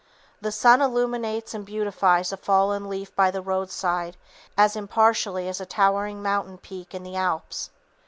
The sun illuminates and beautifies a fallen leaf by the roadside as impartially as a towering mountain peak in the Alps.